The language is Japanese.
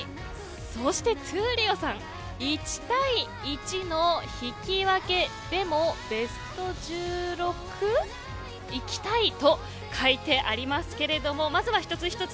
そして闘莉王さん１対１の引き分けでも、ベスト１６位行きたいと書いてありますけれどもまずは一つ一つ